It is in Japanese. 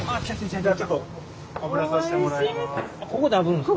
ここであぶるんですか？